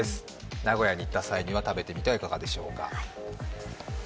名古屋に行った際には食べてみてはいかがでしょうか？